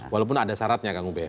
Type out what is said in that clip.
walaupun ada syaratnya kang ube